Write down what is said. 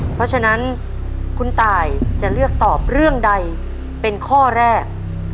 เพราะฉะนั้นคุณตายจะเลือกตอบเรื่องใดเป็นข้อแรก